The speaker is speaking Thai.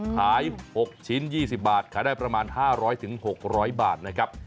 ขาย๖ชิ้น๒๐บาทขายได้ประมาณ๕๐๐๖๐๐บาทนะครับ